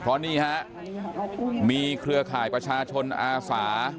เพราะนี่ฮะมีเครือข่ายประชาชนอาสา